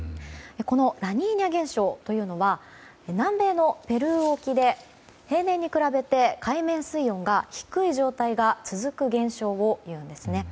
このラニーニャ現象というのは南部のペルー沖で平年に比べて海面水温が低い状態が続く現象をいうんです。